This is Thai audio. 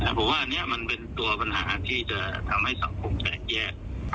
แบบเมื่อนี้มันเป็นปัญหาที่จะทำให้สังคมแกดแยก